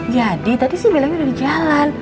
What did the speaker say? jadi tadi sih bilangnya udah di jalan